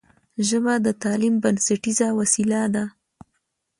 ژبه د تعلیم بنسټیزه وسیله ده